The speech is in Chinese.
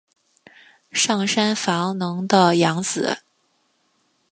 上杉房能的养子。